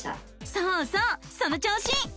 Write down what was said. そうそうその調子！